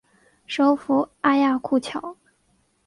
首府阿亚库乔。